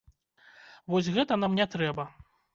Вось гэта нам не трэба.